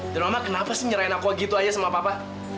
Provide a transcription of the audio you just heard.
dan mama kenapa sih nyerahin aku begitu aja sama papa